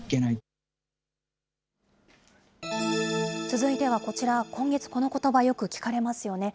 続いてはこちら、今月、このことばよく聞かれますよね。